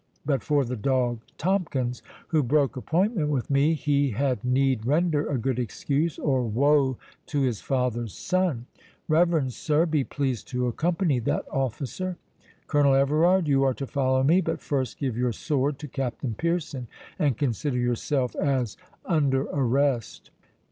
—But for the dog Tomkins, who broke appointment with me, he had need render a good excuse, or woe to his father's son!—Reverend sir, be pleased to accompany that officer.—Colonel Everard, you are to follow me; but first give your sword to Captain Pearson, and consider yourself as under arrest."